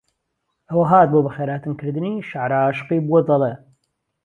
ئهوه هات بۆ به خێرهاتن کردنی شەعره ئاشقی بووه دهڵێ